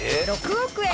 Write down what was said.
６億円。